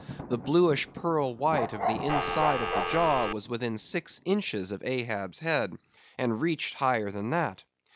The bluish pearl white of the inside of the jaw was within six inches of Ahab's head, and reached higher than that.